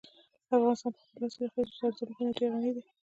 افغانستان په خپلو حاصلخیزه زردالو باندې ډېر غني دی.